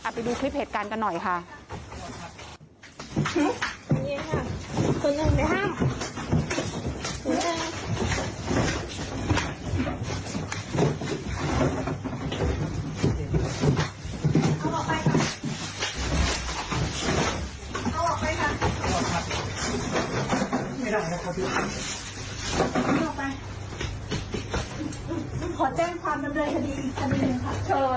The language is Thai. ไปดูคลิปเหตุการณ์กันหน่อยค่ะ